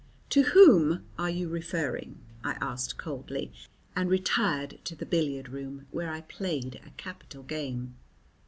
"To whom are you referring?" I asked coldly, and retired to the billiard room, where I played a capital game.